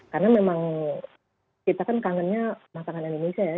karena memang kita kan kangennya makanan indonesia ya